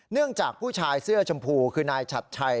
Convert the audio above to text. เนื่องจากผู้ชายเสื้อสีสีชมพูคือนายชัดชัย